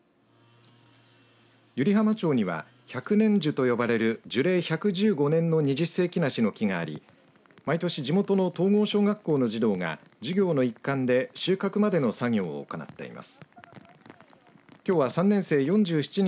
湯梨浜町には百年樹と呼ばれる樹齢１１５年の二十世紀梨の木があり毎年、地元の東郷小学校の児童が授業の一環で収穫までの作業を行っています。